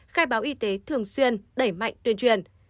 khai báo y tế thường xuyên đẩy mạnh tuyên truyền